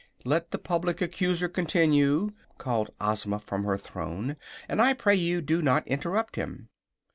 "Let the Public Accuser continue," called Ozma from her throne, "and I pray you do not interrupt him."